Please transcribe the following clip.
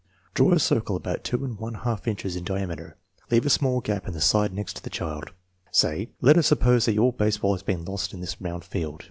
Draw a circle about two and one half inches in diameter, leaving a small gap in the side next the child. Say $' Let us suppose that your baseball has been lost in this round field.